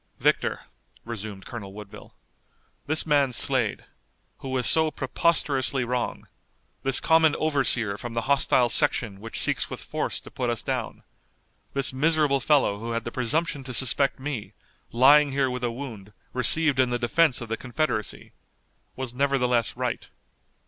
"Victor," resumed Colonel Woodville, "this man Slade, who was so preposterously wrong, this common overseer from the hostile section which seeks with force to put us down, this miserable fellow who had the presumption to suspect me, lying here with a wound, received in the defense of the Confederacy, was nevertheless right."